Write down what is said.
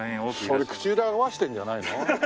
それ口裏合わせてるんじゃないの？